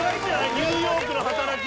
ニューヨークの働き！